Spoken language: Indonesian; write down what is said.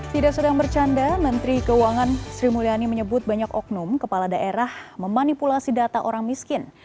tidak sedang bercanda menteri keuangan sri mulyani menyebut banyak oknum kepala daerah memanipulasi data orang miskin